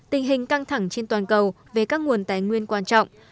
tình hình căng thẳng trên toàn cầu về các nguồn tài nguyên quan trọng